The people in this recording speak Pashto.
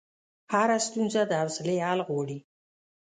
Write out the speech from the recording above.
هره ستونزه د حوصلې حل غواړي.